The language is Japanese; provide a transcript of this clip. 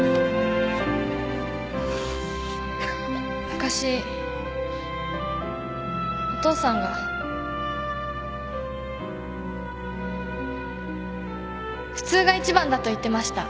昔お父さんが普通が一番だと言ってました。